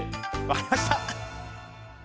わかりました！